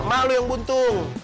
malu yang buntung